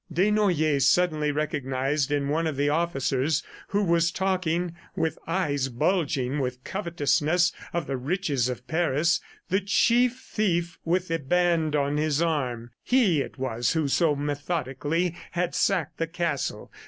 Desnoyers suddenly recognized in one of the officers who was talking, with eyes bulging with covetousness, of the riches of Paris, the Chief Thief with the band on his arm. He it was who so methodically had sacked the castle.